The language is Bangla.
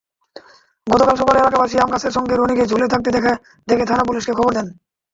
গতকাল সকালে এলাকাবাসী আমগাছের সঙ্গে রনিকে ঝুলে থাকতে দেখে থানা-পুলিশকে খবর দেন।